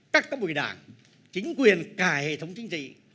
các cấp ủy đảng chính quyền cả hệ thống chính trị